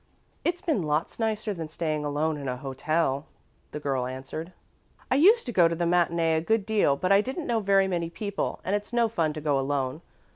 "It's been lots nicer than staying alone in a hotel," the girl answered. "I used to go to the matinee a good deal, but I didn't know very many people and it's no fun to go alone.